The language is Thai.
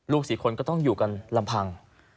ลูกศรีคนก็ต้องอยู่กันลำพัง